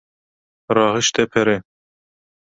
Rahişte pere.